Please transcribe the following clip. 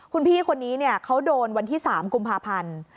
คุณพี่คนนี้เขาโดนวันที่๓กุมภาพันธ์